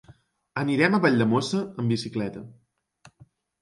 Anirem a Valldemossa amb bicicleta.